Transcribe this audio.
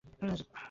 কথা দিচ্ছেন তো?